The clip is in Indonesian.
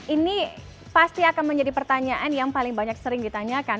ini pasti akan menjadi pertanyaan yang paling banyak sering ditanyakan